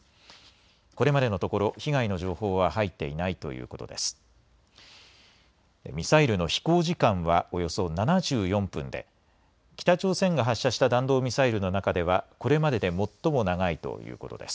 これまでのところ被害の情報は入っていないということです。